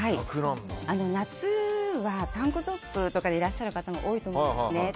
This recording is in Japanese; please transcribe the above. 夏はタンクトップとかでいらっしゃる方も多いと思うんですね。